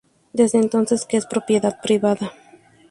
Desde entonces que es propiedad privada.